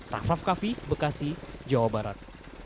rafa fkafi bekasi jawa barat